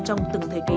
trong từng thời kỷ